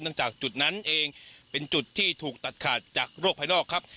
จากจุดนั้นเองเป็นจุดที่ถูกตัดขาดจากโรคภายนอกครับ